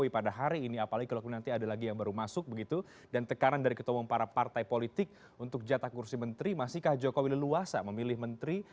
pilih luasa memilih menteri